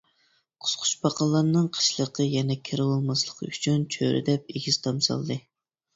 قىسقۇچپاقىلارنىڭ قىشلىقى يەنە كىرىۋالماسلىقى ئۈچۈن چۆرىدەپ ئېگىز تام سالدى.